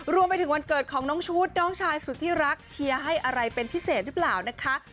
รวมไปถึงวันเกิดของน้องชุดน้องชายสุดที่รักเชียร์ให้อะไรเป็นพิเศษหรือเปล่านะคะ